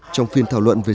trong phiên thảo luận này